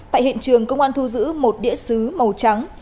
tại hiện trường công an thu giữ một đĩa xứ màu trắng